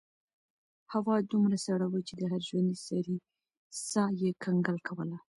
هوا دومره سړه وه چې د هر ژوندي سري ساه یې کنګل کوله.